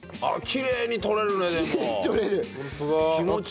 きれいに取れるねでも。